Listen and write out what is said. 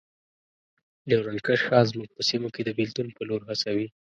ډیورنډ کرښه زموږ په سیمو کې د بیلتون په لور هڅوي.